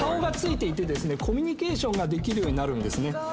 コミュニケーションができるようになるんですね。